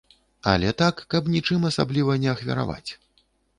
Але так, каб нічым асабліва не ахвяраваць.